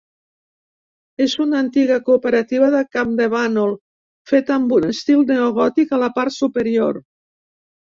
És una antiga cooperativa de Campdevànol, feta amb un estil neogòtic a la part superior.